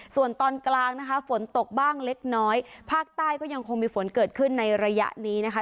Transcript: ส่วนตอนกลางนะคะฝนตกบ้างเล็กน้อยภาคใต้ก็ยังคงมีฝนเกิดขึ้นในระยะนี้นะคะ